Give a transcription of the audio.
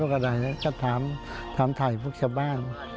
ก็ถามถ่ายพวกชาวบ้าน